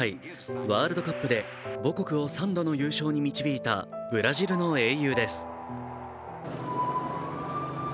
ワールドカップで母国を３度の優勝に導いたブラジルの英雄です。